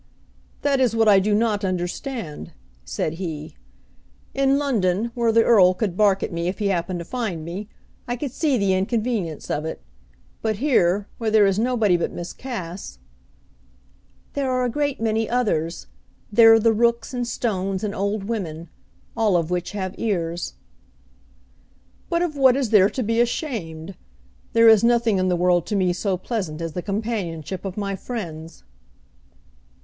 "That is what I do not understand," said he. "In London, where the Earl could bark at me if he happened to find me, I could see the inconvenience of it. But here, where there is nobody but Miss Cass " "There are a great many others. There are the rooks, and stones, and old women; all of which have ears." "But of what is there to be ashamed? There is nothing in the world to me so pleasant as the companionship of my friends."